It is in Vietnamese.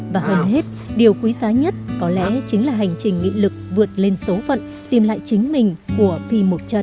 và hơn hết điều quý giá nhất có lẽ chính là hành trình nghị lực vượt lên số phận tìm lại chính mình của phi một chân